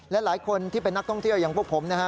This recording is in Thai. และหลายคนที่เป็นนักท่องเที่ยวอย่างพวกผมนะฮะ